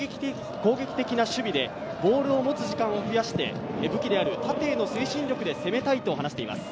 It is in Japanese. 攻撃的な守備で、ボールを持つ時間を増やして、武器である縦への推進力で攻めたいと話しています。